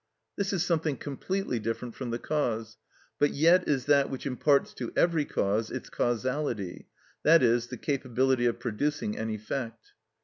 This is something completely different from the cause, but yet is that which imparts to every cause its causality, i.e., the capability of producing an effect.